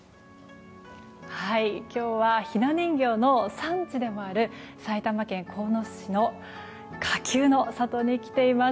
今日はひな人形の産地でもある埼玉県鴻巣市の花丘の里に来ています。